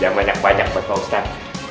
jangan banyak banyak pak pao itan